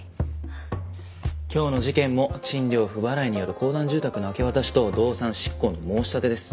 今日の事件も賃料不払いによる公団住宅の明け渡しと動産執行の申し立てです。